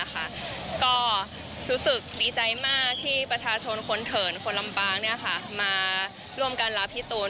ก็รู้สึกดีใจมากที่ประชาชนคนเถินคนลำปางมาร่วมกันรับพี่ตูน